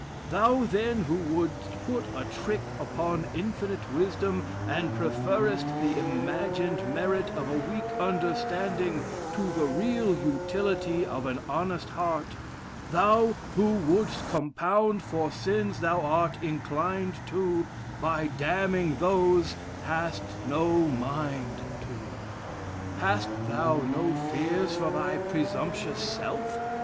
'Thou then who wouldst put a trick upon infinite wisdom, and preferest the imagined merit of a weak understanding to the real utility of an honest heart thou who wouldst 'Compound for sins thou art inclined to, By damning those thou hast no mind to;' hast thou no fears for thy presumptuous self?